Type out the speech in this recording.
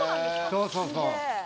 そうそうそう。